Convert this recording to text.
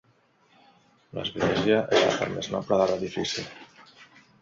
L'església és la part més noble de l'edifici.